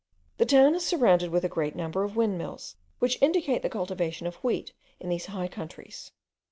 The town is surrounded with a great number of windmills, which indicate the cultivation of wheat in these high countries.